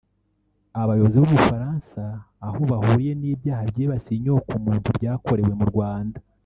abayobozi b’ u Bufaransa bafite aho bahuriye n’ibyaha byibasiye inyokomuntu byakorewe mu Rwanda